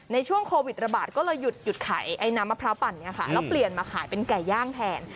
ในช่วงโควิดระบาดก็เลยหยุดขายไอ้น้ำมะพร้าปั่นแล้วเปลี่ยนมาขายเป็นไก่ย่างแทน